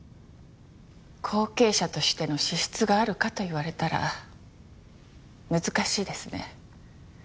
後継者としての資質があるかと言われたら難しいですね。